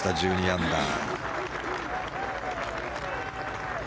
１２アンダー。